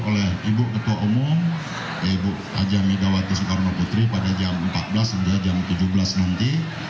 oleh ibu ketua umum ibu aja megawati soekarno putri pada jam empat belas hingga jam tujuh belas nanti